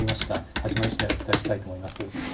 始まりしだいお伝えしたいと思います。